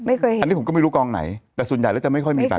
ไม่เคยเห็นอันนี้ผมก็ไม่รู้กองไหนแต่ส่วนใหญ่แล้วจะไม่ค่อยมีใคร